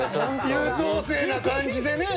優等生な感じでね。